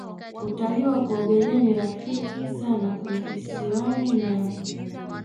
Utalii wa kuogelea ni rafiki sana kwenye kisiwani nyambe